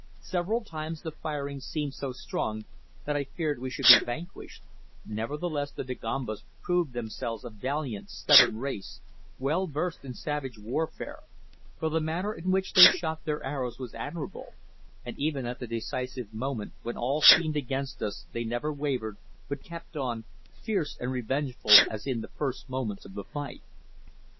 Several times the firing seemed so strong that I feared we should be vanquished, nevertheless the Dagombas proved themselves a valiant, stubborn race, well versed in savage warfare, for the manner in which they shot their arrows was admirable, and even at the decisive moment when all seemed against us they never wavered, but kept on, fierce and revengeful as in the first moments of the fight.